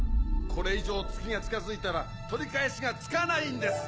これ以上月が近づいたら取り返しがつかないんです！